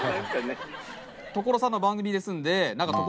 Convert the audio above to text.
所さんの番組ですんで。